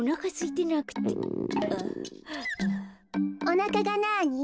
おなかがなに？